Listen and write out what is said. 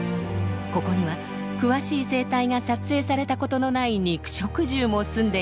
ここには詳しい生態が撮影されたことのない肉食獣もすんでいます。